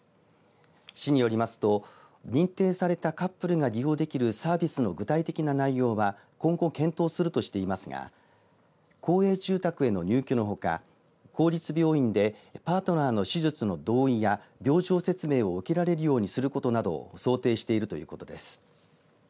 市によりますと認定されたカップルが利用できるサービスの具体的な内容は今後、検討するとしていますが公営住宅への入居のほか公立病院でパートナーの手術の同意や病状説明を受けられるようにすることなどを想定しているということです。